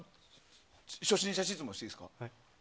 初心者質問してもいいですか？